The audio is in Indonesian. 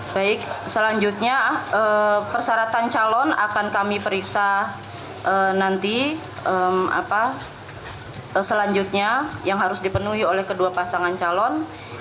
baik selanjutnya persyaratan calon akan kami periksa nanti selanjutnya yang harus dipenuhi oleh kedua pasangan calon